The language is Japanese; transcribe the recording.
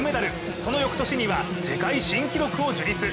そのよくとしには世界新記録を樹立。